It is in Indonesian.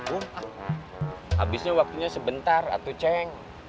oh abisnya waktunya sebentar tuh ceng